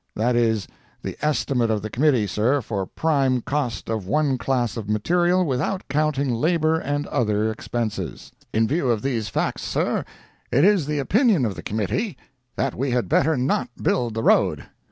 That is the estimate of the Committee, sir, for prime cost of one class of material, without counting labor and other expenses. In view of these facts, sir, it is the opinion of the Committee that we had better not build the road.